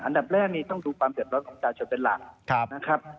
อันดับแรกนี่ต้องดูความเดือดร้อนของประชาชนเป็นหลักนะครับ